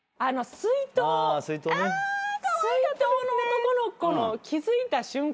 水筒の男の子の気付いた瞬間の。